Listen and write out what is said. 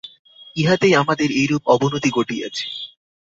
ইহাতেই আমাদের এইরূপ অবনতি ঘটিয়াছে।